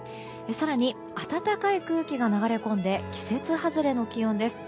更に暖かい空気が流れ込んで季節外れの気温です。